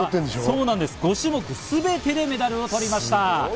そうです、５種目すべてでメダルを取りました。